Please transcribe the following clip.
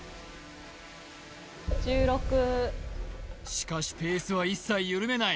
しかしペースは一切緩めない